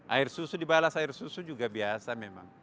air susu dibalas air susu juga biasa memang